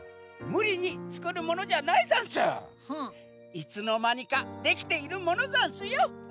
いつのまにかできているものざんすよ！